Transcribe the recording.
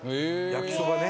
焼きそばね。